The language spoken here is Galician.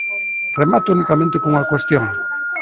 Remato unicamente cunha cuestión.